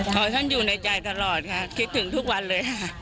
ท่านอยู่ในใจตลอดค่ะคิดถึงทุกวันเลยค่ะ